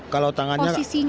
kalau tangannya agak beda nanti